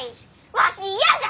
わし嫌じゃ！